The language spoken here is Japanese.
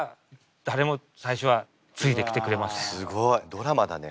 ドラマだね